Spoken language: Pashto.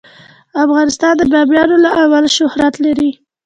افغانستان د بامیان له امله شهرت لري.